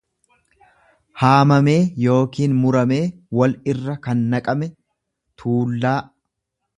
haamamee yookiin muramee wal irra kan naqame, tuullaa.